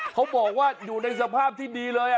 เขาบอกว่าอยู่ในสภาพที่ดีเลย